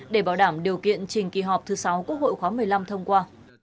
để bảo đảm điều kiện trình kỳ họp thứ sáu quốc hội khóa một mươi năm thông qua